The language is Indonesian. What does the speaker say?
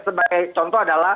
sebagai contoh adalah